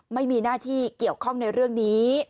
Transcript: ไม่มีหน้าที่เกี่ยวข้องในเรื่องนี้